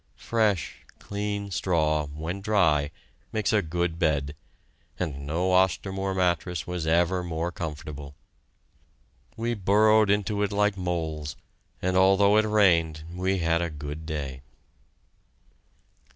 Fresh, clean straw, when dry, makes a good bed, and no Ostermoor mattress was ever more comfortable. We burrowed into it like moles, and although it rained we had a good day.